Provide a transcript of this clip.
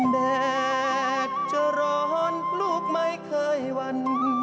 แดดจะร้อนลูกไม่เคยวัน